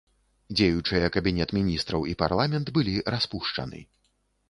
Дзеючыя кабінет міністраў і парламент былі распушчаны.